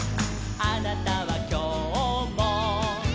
「あなたはきょうも」